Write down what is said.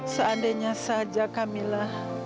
seandainya saja mila